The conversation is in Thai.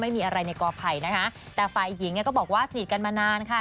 ไม่มีอะไรในกอไผ่นะคะแต่ฝ่ายหญิงเนี่ยก็บอกว่าสนิทกันมานานค่ะ